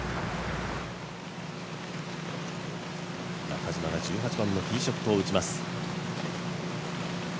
中島が１８番のティーショットを打ちます。